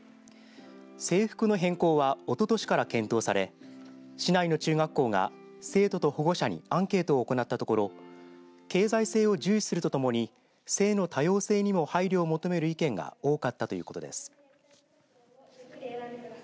制服の変更はおととしから検討され市内の中学校が生徒と保護者にアンケートを行ったところ経済性を重視するとともに性の多様性にも配慮を求める意見が多かったということです。